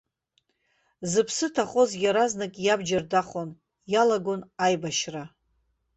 Зыԥсы ҭахоз иаразнак иабџьар дахон, иалагон аибашьра.